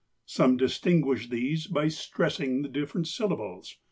Some distinguish these by stressing the different syllables.